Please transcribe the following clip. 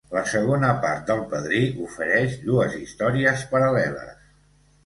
La segona part del Padrí ofereix dues històries paral·leles.